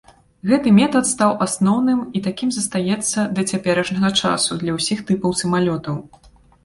Гэты метад стаў асноўным і такім застаецца да цяперашняга часу для ўсіх тыпаў самалётаў.